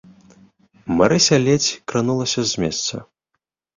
Марыся ледзь кранулася з месца.